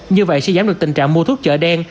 như vậy sẽ giảm được tình trạng mua thuốc chợ đen